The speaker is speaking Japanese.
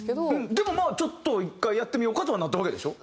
でもちょっと１回やってみようかとはなったわけでしょ？